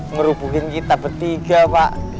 merubukin kita bertiga pak